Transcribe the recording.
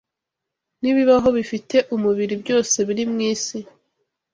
N’ibibaho bifite umubiri byose biri mu isi